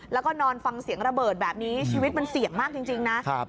แล้วก็นอนฟังเสียงระเบิดแบบนี้ชีวิตมันเสี่ยงมากจริงนะ